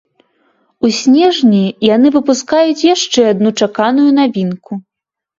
У снежні яны выпускаюць яшчэ адну чаканую навінку.